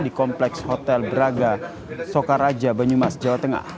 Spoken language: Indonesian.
di kompleks hotel braga sokaraja banyumas jawa tengah